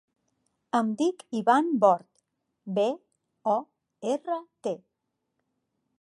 Em dic Ivan Bort: be, o, erra, te.